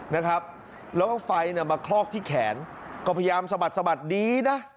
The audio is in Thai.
นะครับแล้วก็ไฟมาคลอกที่แขนก็พยายามสะบัดดีนะ